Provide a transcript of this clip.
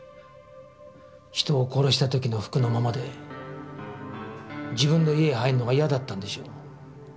人を殺した時の服のままで自分の家へ入るのが嫌だったんでしょう。